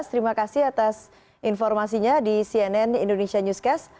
terima kasih atas informasinya di cnn indonesia newscast